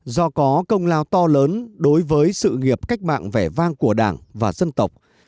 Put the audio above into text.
do có công lao to lớn đối với sự nghiệp cách mạng vẻ vang của đảng và dân tộc